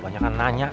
banyak yang nanya sih